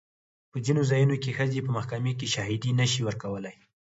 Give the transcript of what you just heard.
په ځینو ځایونو کې ښځې په محکمې کې شاهدي نه شي ورکولی.